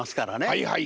はいはい。